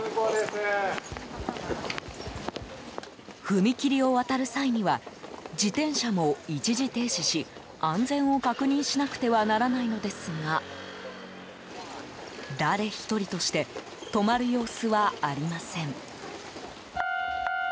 踏切を渡る際には自転車も一時停止し安全を確認しなくてはならないのですが誰一人として止まる様子はありません。